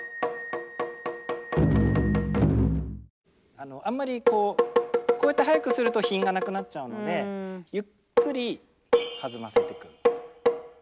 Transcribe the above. あのあんまりこうこうやって速くすると品がなくなっちゃうのでゆっくり弾ませていく。